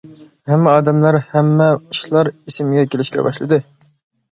ھەممە ئادەملەر، ھەممە ئىشلار ئېسىمگە كېلىشكە باشلىدى.